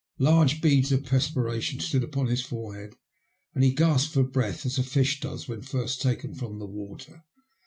Large beads of perspiration stood upon his forehead, and he gasped for breath, as a fish does when first taken from the water.